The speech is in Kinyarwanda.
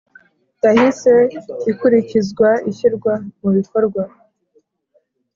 Yahise ikurikizwa ishyirwa mu bikorwa